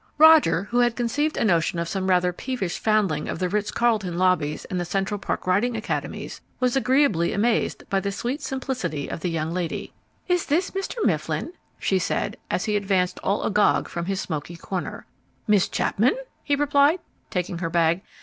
Roger, who had conceived a notion of some rather peevish foundling of the Ritz Carlton lobbies and Central Park riding academies, was agreeably amazed by the sweet simplicity of the young lady. "Is this Mr. Mifflin?" she said, as he advanced all agog from his smoky corner. "Miss Chapman?" he replied, taking her bag.